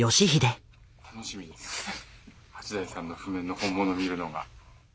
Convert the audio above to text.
八大さんの譜面の本物見るのが。